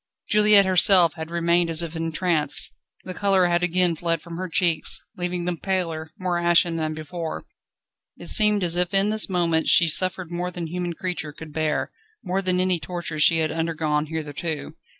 Juliette herself had remained as if entranced. The colour had again fled from her cheeks, leaving them paler, more ashen than before. It seemed as if in this moment she suffered more than human creature could bear, more than any torture she had undergone hitherto.